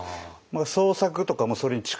創作とかもそれに近い。